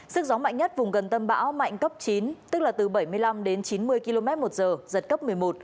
sức gió mạnh nhất vùng gần tâm bão mạnh cấp chín tức là từ bảy mươi năm đến chín mươi km một giờ giật cấp một mươi một